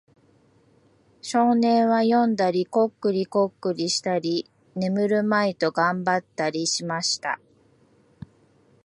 少年は読んだり、コックリコックリしたり、眠るまいと頑張ったりしました。